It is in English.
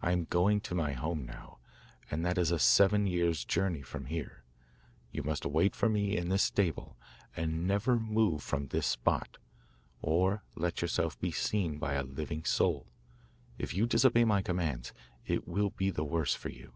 I am going to my home now, and that is a seven years' journey from here; you must wait for me in this stable, and never move from the spot, or let yourself be seen by a living soul. If you disobey my commands, it will be the worse for you.